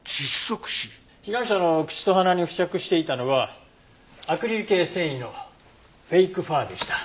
被害者の口と鼻に付着していたのはアクリル系繊維のフェイクファーでした。